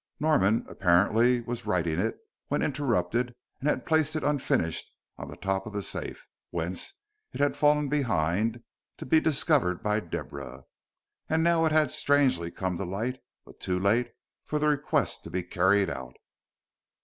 Norman apparently was writing it when interrupted, and had placed it unfinished on the top of the safe, whence it had fallen behind to be discovered by Deborah. And now it had strangely come to light, but too late for the request to be carried out.